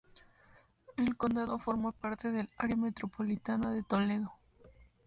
El condado forma parte del área metropolitana de Toledo.